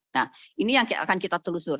nah ini yang akan kita telusur